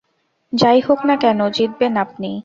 যা-ই হোক না কেন, জিতবেন আপনিই।